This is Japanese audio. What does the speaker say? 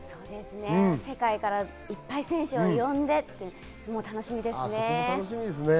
世界からいっぱい選手を呼んで、楽しみですね。